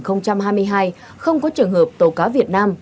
chín tháng đầu năm hai nghìn hai mươi hai không có trường hợp tàu cá việt nam